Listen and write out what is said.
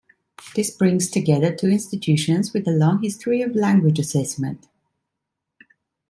This brings together two institutions with a long history of language assessment.